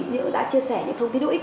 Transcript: những đã chia sẻ những thông tin đối ích